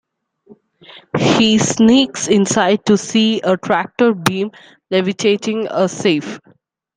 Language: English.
He sneaks inside to see a tractor beam levitating a safe.